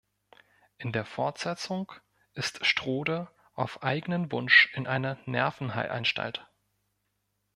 In der Fortsetzung ist Strode auf eigenen Wunsch in einer Nervenheilanstalt.